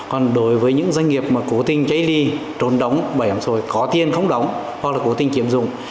còn đối với những doanh nghiệp mà cố tình chây ly trốn đóng bảo hiểm xã hội có tiền không đóng hoặc là cố tình chiếm dụng